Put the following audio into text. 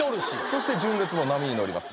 そして「純烈」も波に乗ります